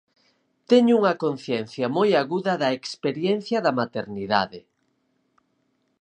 Teño unha conciencia moi aguda da experiencia da maternidade.